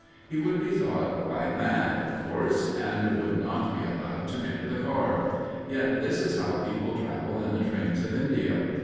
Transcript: He would be thought quite mad, of course, and would not be allowed to enter the car. Yet this is how people travel in the trains of India.